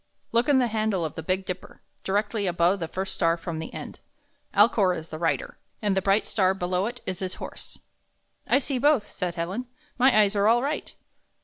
Look in the handle of the Big Dipper, directly above the first star from the end. Alcor is the Rider, and the bright star below it is his Horse." 4 "I see both," said Helen. ''My eyes are all right."